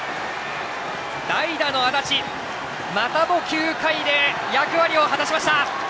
代打の安達またも９回で役割を果たしました。